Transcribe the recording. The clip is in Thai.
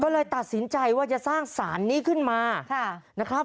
ก็เลยตัดสินใจว่าจะสร้างสารนี้ขึ้นมานะครับ